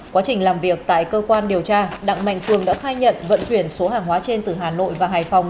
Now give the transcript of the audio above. quá trình làm việc tại cơ quan điều tra đặng mạnh cường đã khai nhận vận chuyển số hàng hóa trên từ hà nội và hải phòng